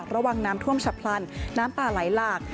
ระวังน้ำท่วมฉับพลันน้ำป่าไหลหลาก